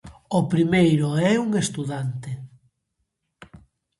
O primeiro é un estudante.